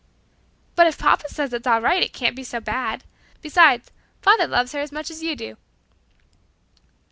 "But if papa says it is all right, it can't be so bad. Besides, father loves her as much as you do."